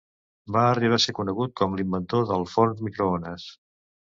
Va arribar a ser conegut com l'inventor del forn microones.